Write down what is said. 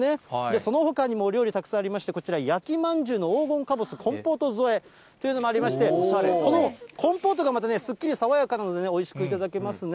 そのほかにも、お料理たくさんありまして、こちら、焼きまんじゅうの黄金かぼすコンポート添えというのもありまして、このコンポートがまた、すっきり爽やかなので、おいしく頂けますね。